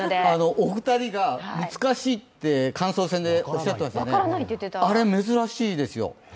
お二人が難しいと感想戦で言ってましたよね、あれ珍しいですよ。